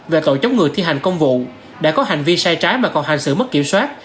về tội chống người thi hành công vụ đã có hành vi sai trái mà còn hành xử mất kiểm soát